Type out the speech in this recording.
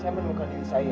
saya menunggulkan diri saya